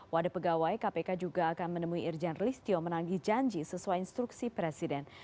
wadah pegawai kpk juga akan menemui irjen listio menanggi janji sesuai instruksi presiden